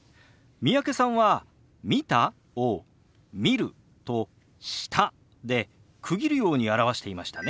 三宅さんは「見た？」を「見る」と「した」で区切るように表していましたね。